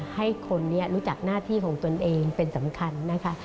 ให้คนนี้รู้จักหน้าที่ของตนเองเป็นสำคัญนะคะ